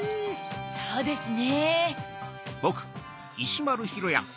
そうですね。